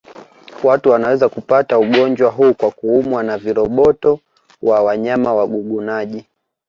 Watu wanaweza kupata ugonjwa huu kwa kuumwa na viroboto wa wanyama wagugunaji